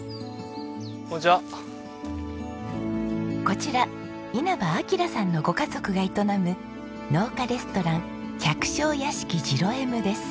こちら稲葉陽さんのご家族が営む農家レストラン「百姓屋敷じろえむ」です。